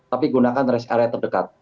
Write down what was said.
tapi gunakan rest area terdekat